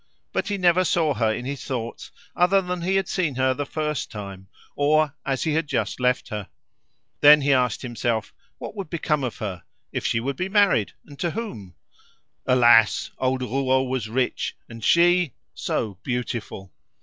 But he never saw her in his thoughts other than he had seen her the first time, or as he had just left her. Then he asked himself what would become of her if she would be married, and to whom! Alas! Old Rouault was rich, and she! so beautiful!